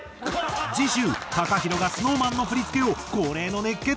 次週ＴＡＫＡＨＩＲＯがＳｎｏｗＭａｎの振り付けを恒例の熱血解説！